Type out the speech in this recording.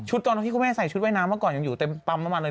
ตอนที่คุณแม่ใส่ชุดว่ายน้ำเมื่อก่อนยังอยู่เต็มปั๊มน้ำมันเลย